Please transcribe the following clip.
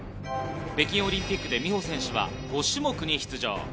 北京オリンピックで美帆選手は５種目に出場。